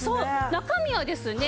中身はですね